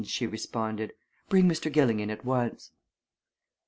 she responded. "Bring Mr. Gilling in at once."